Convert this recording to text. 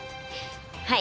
はい。